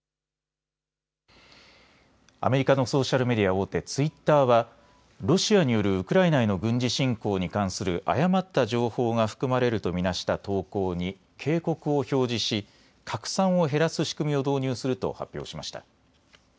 アメリカのソーシャルメディア大手、ツイッターはロシアによるウクライナへの軍事侵攻に関する誤った情報が含まれると見なした投稿に警告を表示し拡散を減らす仕組みを導入すると発表しました。